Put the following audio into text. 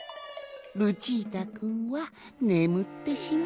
ルチータくんはねむってしまったわい。